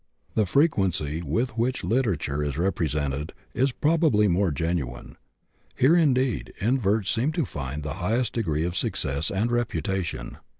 The frequency with which literature is represented is probably more genuine. Here, indeed, inverts seem to find the highest degree of success and reputation.